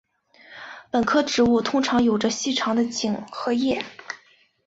本科植物通常有着细长的茎与叶。